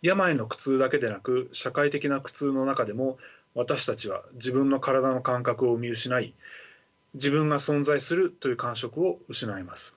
病の苦痛だけでなく社会的な苦痛の中でも私たちは自分の体の感覚を見失い自分が存在するという感触を失います。